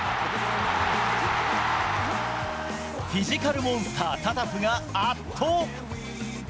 フィジカルモンスター、タタフが圧倒。